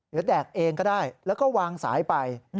เดี๋ยวแดกเองก็ได้แล้วก็วางสายไป